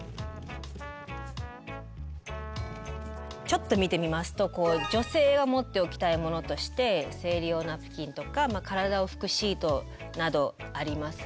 ちょっと見てみますと女性は持っておきたいものとして生理用ナプキンとか体をふくシートなどありますね。